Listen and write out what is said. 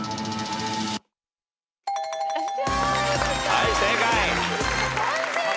はい正解。